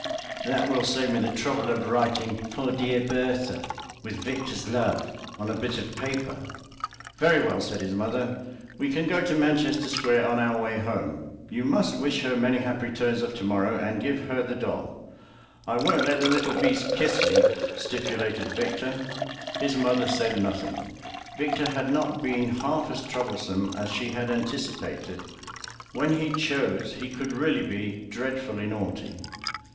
That will save me the trouble of writing: 'For dear Bertha, with Victor's love,' on a bit of paper." "Very well," said his mother, "we can go to Manchester Square on our way home. You must wish her many happy returns of to morrow, and give her the doll." "I won't let the little beast kiss me," stipulated Victor. His mother said nothing; Victor had not been half as troublesome as she had anticipated. When he chose he could really be dreadfully naughty.